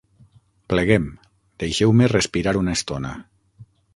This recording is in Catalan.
Pleguem: deixeu-me respirar una estona.